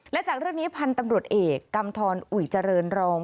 และจากเรื่องนี้พันธุ์ตำรวจเอกกำทรอุ๋ยเจริญรอง